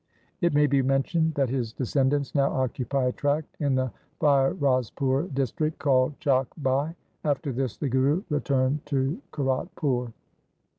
It may be mentioned that his descendants now occupy a tract in the Firozpur district called Chak Bhai. After this the Guru returned to Kiratpur.